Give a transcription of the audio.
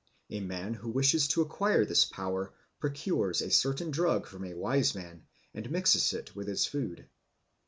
A man who wishes to acquire this power procures a certain drug from a wise man and mixes it with his food.